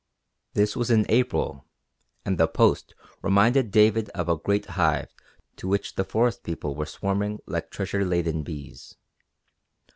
This was in April, and the Post reminded David of a great hive to which the forest people were swarming like treasure laden bees.